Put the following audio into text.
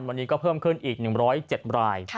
วันนี้ก็เพิ่มขึ้นอีก๑๐๗ราย